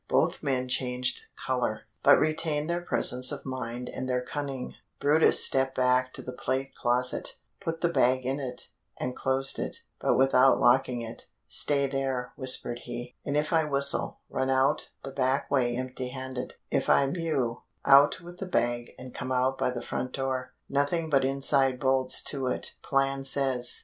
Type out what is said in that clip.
Both men changed color, but retained their presence of mind and their cunning. brutus stepped back to the plate closet, put the bag in it, and closed it, but without locking it. "Stay there," whispered he, "and if I whistle run out the back way empty handed. If I mew out with the bag and come out by the front door; nothing but inside bolts to it, plan says."